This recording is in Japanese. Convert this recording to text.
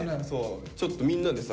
ちょっとみんなでさ。